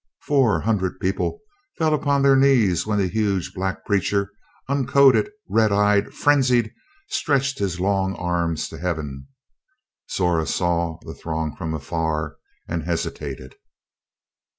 Four hundred people fell upon their knees when the huge black preacher, uncoated, red eyed, frenzied, stretched his long arms to heaven. Zora saw the throng from afar, and hesitated.